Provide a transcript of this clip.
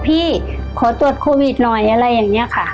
พี่ขอตรวจโควิดหน่อยอะไรอย่างนี้ค่ะ